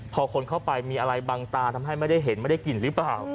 พอคนเข้าไปมีอะไรบังตาทำให้ไม่ได้เห็นไม่ได้กลิ่นหรือเปล่า